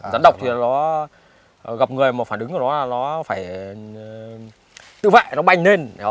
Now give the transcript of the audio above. rắn độc thì nó gặp người mà phản ứng của nó là nó phải tự vệ nó bannh lên